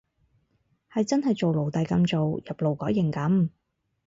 係真係做奴隸噉做，入勞改營噉